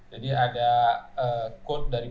jadi ada kode dari bnp